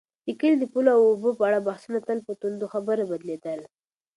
د کلي د پولو او اوبو په اړه بحثونه تل په توندو خبرو بدلېدل.